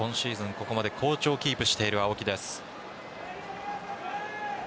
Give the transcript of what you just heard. ここまで好調をキープしている青木です。